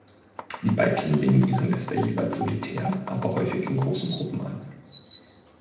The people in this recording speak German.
Die Weibchen legen ihre Nester jeweils solitär, aber häufig in großen Gruppen an.